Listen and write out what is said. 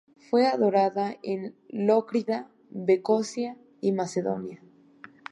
Fue adorada en Lócrida, Beocia y Macedonia.